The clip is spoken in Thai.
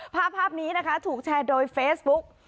ภาพนี้นะคะถูกแชร์โดยเฟซบุ๊ก